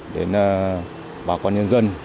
đến báo quan nhân dân